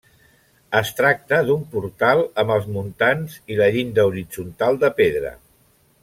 Es tracta d'un portal amb els muntants i la llinda horitzontal de pedra.